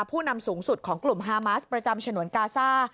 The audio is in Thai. ผู้นำสูงสุดของกลุ่มฮามาสประจำฉนวนกาซ่า